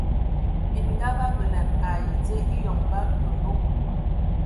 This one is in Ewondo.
Bininga ba bələna ai dze eyoŋ ba kəlɔg.